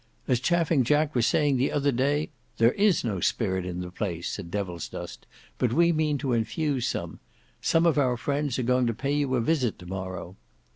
As Chaffing Jack was saying the other day—" "There is no spirit in the place," said Devilsdust, "but we mean to infuse some. Some of our friends are going to pay you a visit to morrow."